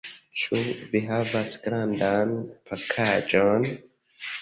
Ĉu vi havas grandan pakaĵon?